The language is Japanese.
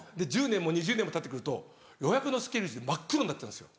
１０年も２０年もたって来ると予約のスケジュールで真っ黒になっちゃうんですよ